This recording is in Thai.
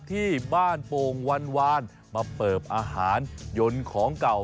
ที่บ้านโป่งวันวานมาเปิบอาหารยนต์ของเก่า